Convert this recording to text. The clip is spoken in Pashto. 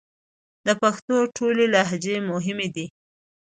د پښتو ټولې لهجې مهمې دي